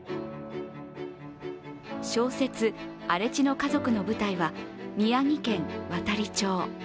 小説「荒地の家族」の舞台は宮城県亘理町。